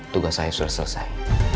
tugas saya sudah selesai